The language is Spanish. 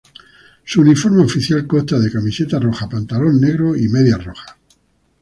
Su uniforme oficial consta de camiseta roja, pantalón negro y medias rojas.